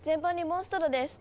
モンストロです。